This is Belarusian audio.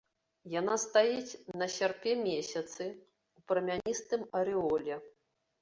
Яна стаіць на сярпе-месяцы, у прамяністым арэоле.